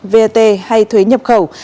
vat hay thuế nhập khẩu